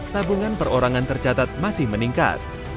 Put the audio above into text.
tabungan perorangan tercatat masih meningkat